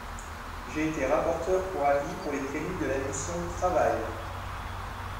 J’ai été rapporteur pour avis pour les crédits de la mission « Travail ».